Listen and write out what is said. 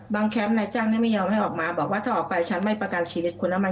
แคมป์นายจ้างนี่ไม่ยอมให้ออกมาบอกว่าถ้าออกไปฉันไม่ประกันชีวิตคุณแล้วมัน